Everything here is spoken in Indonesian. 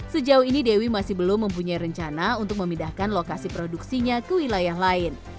sejauh ini dewi masih belum mempunyai rencana untuk memindahkan lokasi produksinya ke wilayah lain